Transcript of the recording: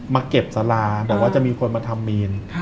มาเก็บสาราบอกว่าจะมีคนมาทำเมน